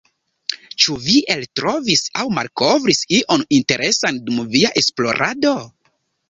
Ĉu vi eltrovis aŭ malkovris ion interesan dum via esplorado?